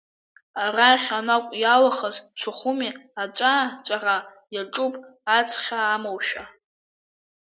Арахь анаҟә иалахаз Сухуми аҵәаа-ҵәаара иаҿуп ацхьаа амоушәа!